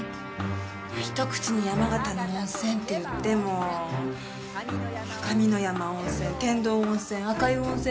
ひと口に山形の温泉っていってもかみのやま温泉天童温泉赤湯温泉